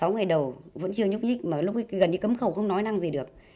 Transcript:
sáu ngày đầu vẫn chưa nhúc nhích gần như cấm khẩu không nói năng gì được